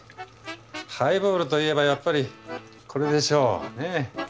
ハイボールといえばやっぱりこれでしょ。